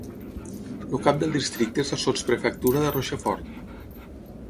El cap del districte és la sotsprefectura de Rochefort.